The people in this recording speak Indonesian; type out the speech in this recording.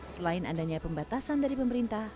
selain adanya pembatasan dari pemerintah